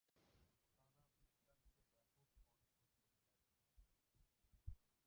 তারা বিজ্ঞানকে ব্যাপক অর্থে ধরে নেন।